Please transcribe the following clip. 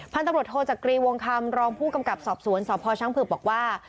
พันธุ์ตรวจโทรจากกรีศ์วงคำรองผู้กำกับสอบสวนสวพชั้นผืปบอกว่า